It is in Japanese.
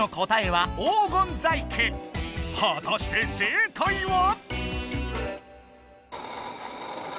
はたして正解は？